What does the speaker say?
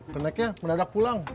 kenecnya mendadak pulang